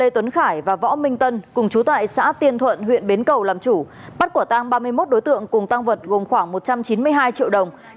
tiền thuận huyện bến cầu làm chủ bắt quả tang ba mươi một đối tượng cùng tang vật gồm khoảng một trăm chín mươi hai triệu đồng